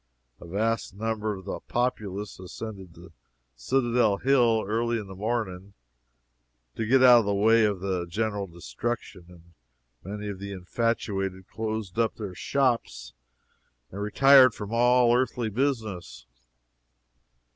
A vast number of the populace ascended the citadel hill early in the morning, to get out of the way of the general destruction, and many of the infatuated closed up their shops and retired from all earthly business.